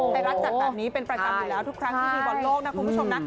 ไทยรัฐจัดแบบนี้เป็นประจำอยู่แล้วทุกครั้งที่มีบอลโลกนะคุณผู้ชมนะ